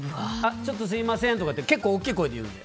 ちょっとすみませんとかって結構大きい声で言うので。